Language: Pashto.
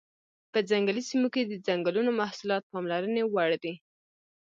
په ځنګلي سیمو کې د ځنګلونو محصولات پاملرنې وړ دي.